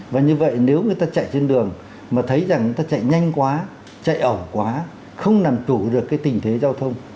và như vậy nếu người ta chạy trên đường mà thấy rằng người ta chạy nhanh quá chạy ẩu quá không làm chủ được cái tình thế giao thông